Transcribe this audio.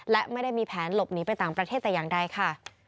และไม่ได้มีแผนหลบหนีไปต่างประเทศแต่อย่างใดค่ะ